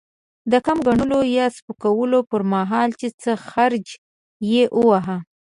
د کم ګڼلو يا سپکولو پر مهال؛ چې څه خرج يې وواهه.